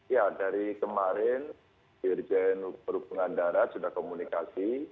ya dari kemarin dirjen perhubungan darat sudah komunikasi